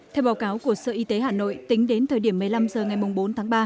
theo báo cáo của sở y tế hà nội tính đến thời điểm một mươi năm h ngày bốn tháng ba